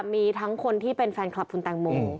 มีทั้งคนที่เป็นแฟนคลับคุณแตงโม